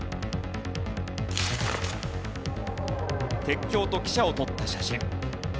鉄橋と汽車を撮った写真。